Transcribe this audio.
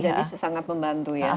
jadi sangat membantu ya